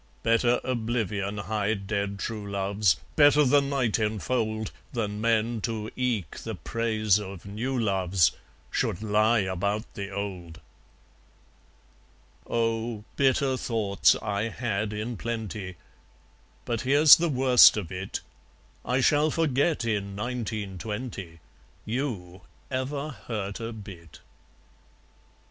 Better oblivion hide dead true loves, Better the night enfold, Than men, to eke the praise of new loves, Should lie about the old! Oh! bitter thoughts I had in plenty. But here's the worst of it I shall forget, in Nineteen twenty, YOU ever hurt abit!